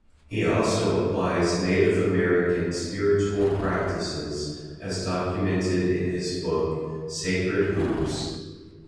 He also applies Native American spiritual practices as documented in his book "Sacred Hoops".